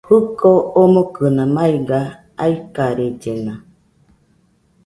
Jɨko omokɨna maiga, aikarellena